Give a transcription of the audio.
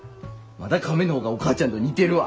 まだカメの方がお母ちゃんと似てるわ。